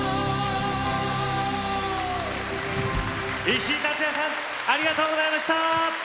石井竜也さんありがとうございました。